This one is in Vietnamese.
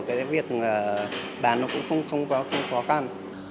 cái việc đàn nó cũng không khó khăn